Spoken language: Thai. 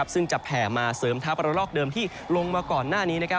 ซึ่งจะแผ่มาเสริมทัพระลอกเดิมที่ลงมาก่อนหน้านี้